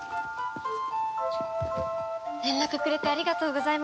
連絡くれてありがとうございます。